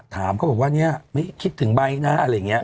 ถามคิดถึงใบนะ